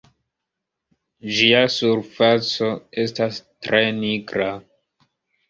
Ĝia surfaco estas tre nigra.